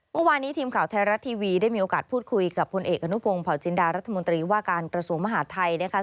เมื่อวานนี้ทีมข่าวไทยรัฐทีวีได้มีโอกาสพูดคุยกับพลเอกอนุพงศ์เผาจินดารัฐมนตรีว่าการกระทรวงมหาดไทยนะคะ